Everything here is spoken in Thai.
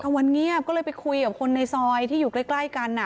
วันเงียบก็เลยไปคุยกับคนในซอยที่อยู่ใกล้กัน